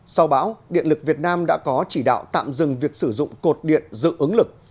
sau báo điện lực việt nam đã có chỉ đạo tạm dừng việc sử dụng cột điện dự ứng lực